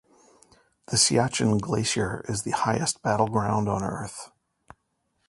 The Siachen glacier is the highest battleground on earth.